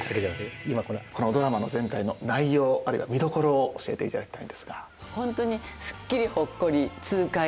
このドラマの全体の内容あるいは見どころを教えていただきたいんですが。